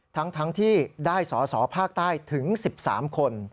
ทั้งที่ได้สอสอภาคใต้ถึง๑๓คน